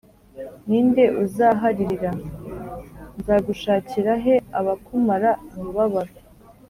Ni nde uzaharirira?” Nzagushakira he abakumara umubabaro?